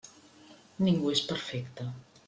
Ningú és perfecte.